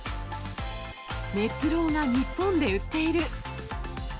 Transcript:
熱浪が日本で売っている。